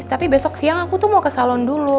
tapi besok siang aku tuh mau ke salon dulu